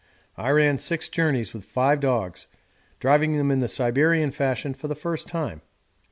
I ran six journeys with five dogs, driving them in the Siberian fashion for the first time.